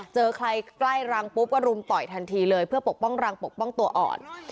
เจอใครใกล้รังปุ๊บก็รุมต่อยทันทีเลยเพื่อปกป้องรังปกป้องตัวอ่อน